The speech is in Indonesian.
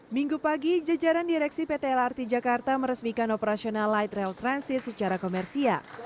minggu pagi jajaran direksi pt lrt jakarta meresmikan operasional light rail transit secara komersial